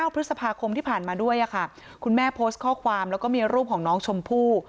พฤษภาคมที่ผ่านมาด้วยค่ะคุณแม่โพสต์ข้อความแล้วก็มีรูปของน้องชมพู่